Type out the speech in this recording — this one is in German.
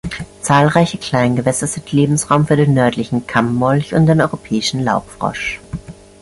Zahlreiche Kleingewässer sind Lebensraum für den Nördlichen Kammmolch und den Europäischen Laubfrosch.